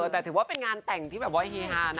แต่ถือว่าเป็นงานแต่งที่แบบว่าเฮฮานะ